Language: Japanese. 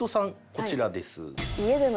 こちらです。